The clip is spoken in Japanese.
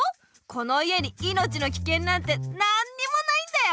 この家に命のきけんなんてなんにもないんだよ。